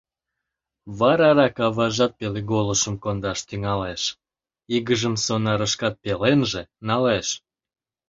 Варарак аважат пелеголышым кондаш тӱҥалеш, игыжым сонарышкат пеленже налеш.